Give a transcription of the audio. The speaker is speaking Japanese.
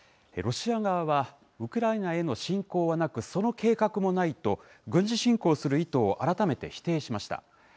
ロシア側は、ウクライナへの侵攻はなく、その計画もないと、軍事侵攻する意図を改めて否定しました。